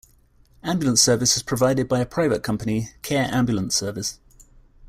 Ambulance service is provided by a private company, Care Ambulance Service.